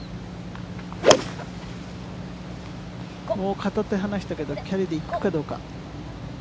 片手、離したけど、キャリーで行くかどうか。